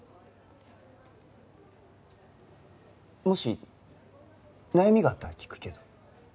もし悩みがあったら聞くけど？